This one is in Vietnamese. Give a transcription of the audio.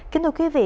kính thưa quý vị